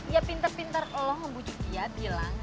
ya pintar pintar lo ngebujuk dia bilang